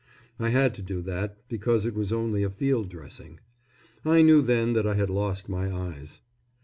I had to do that, because it was only a field dressing. I knew then that I had lost my eyes.